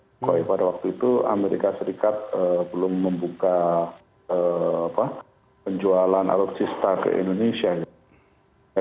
jokowi pada waktu itu amerika serikat belum membuka penjualan alutsista ke indonesia